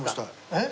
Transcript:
えっ？